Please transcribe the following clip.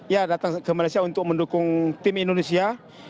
ya datang ke malaysia untuk mendukung tim indonesia